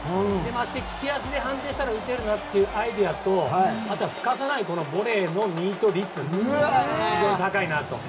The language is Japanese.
まして利き足で反転したら打てるというアイデアとあとはふかさないボレーのミート率が非常に高いなと。